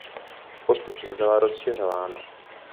Postupně byla rozšiřována.